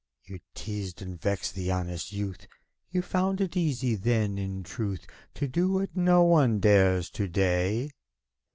You teased and vexed the honest youth; You found it easy then, in truth, To do what no one dares, to day.